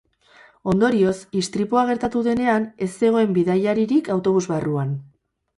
Ondorioz, istripua gertatu denean, ez zegoen bidaiaririk autobus barruan.